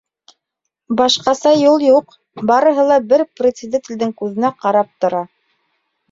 Башҡаса юл юҡ: барыһы ла бер председателдең күҙенә ҡарап тора.